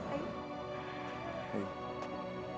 aku gak pantas untuk dicintai aku